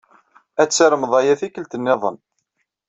Ad tarmed aya tikkelt niḍen.